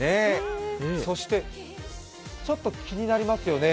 そして、ちょっと気になりますよね